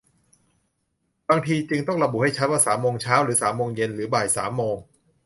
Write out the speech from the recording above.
บางทีจึงต้องระบุให้ชัดว่าสามโมงเช้า หรือสามโมงเย็น หรือบ่ายสามโมง